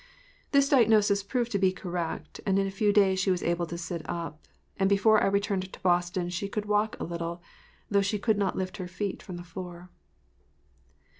This diagnosis proved to be correct and in a few days she was able to sit up, and before I returned to Boston she could walk a little, though she could not lift her feet from the floor.